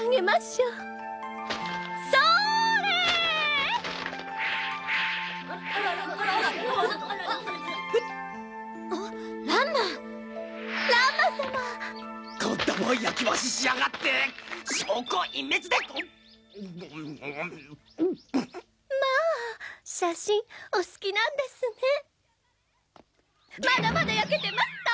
まだまだ焼けてます！